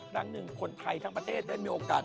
ครั้งหนึ่งคนไทยทั้งประเทศได้มีโอกาส